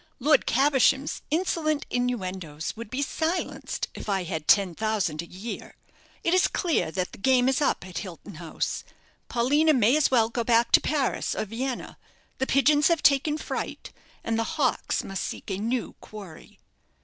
"Lord Caversham's insolent innuendoes would be silenced if I had ten thousand a year. It is clear that the game is up at Hilton House. Paulina may as well go back to Paris or Vienna. The pigeons have taken fright, and the hawks must seek a new quarry."